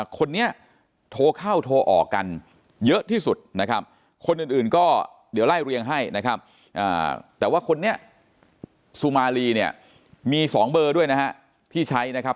คนนี้โทรเข้าโทรออกกันเยอะที่สุดนะครับคนอื่นก็เดี๋ยวไล่เรียงให้นะครับแต่ว่าคนนี้สุมารีเนี่ยมี๒เบอร์ด้วยนะฮะที่ใช้นะครับ